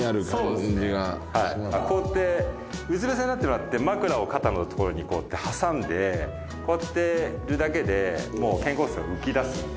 こうやってうつ伏せになってもらって枕を肩のところにこうやって挟んでこうやってるだけでもう肩甲骨が浮き出すんで。